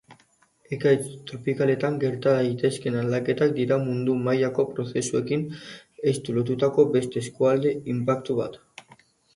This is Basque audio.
Ekaitz tropikaletan gerta daitezkeen aldaketak dira mundu-mailako prozesuekin estu lotutako beste eskualde-inpaktu bat.